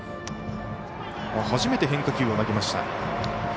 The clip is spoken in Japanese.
初めて変化球を投げました。